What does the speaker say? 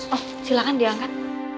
oh silahkan diangkat